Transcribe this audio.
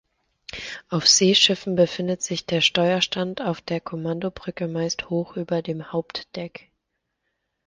Auf Seeschiffen befindet sich der Steuerstand auf der Kommandobrücke meist hoch über dem Hauptdeck.